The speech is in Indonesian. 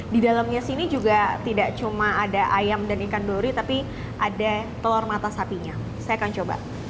di dalamnya sini juga tidak cuma ada ayam dan ikan dori tapi ada telur mata sapinya saya akan coba